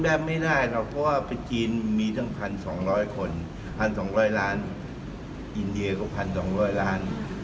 เพราะว่าประจีนมีทั้ง๑๒๐๐คน๑๒๐๐ล้านอินเดียก็๑๒๐๐ล้าน